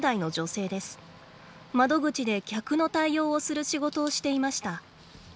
窓口で客の対応をする仕事をしていました。